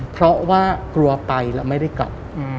เพราะว่ากลัวไปแล้วไม่ได้กลับ